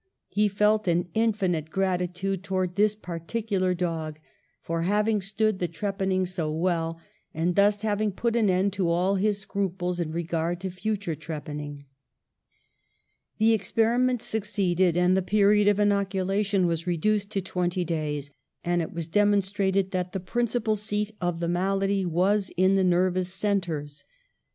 He felt an infinite gratitude towards this particular dog for having stood the trepanning so well, and thus having put an end to all his scruples in regard to future trepanning." ^ The experiment succeeded, and the period of • inoculation was reduced to twenty days, and it was demonstrated that the principal seat of the malady was in the nervous centres.